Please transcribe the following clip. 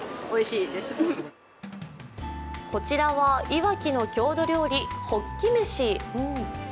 こちらは、いわきの郷土料理ほっき飯。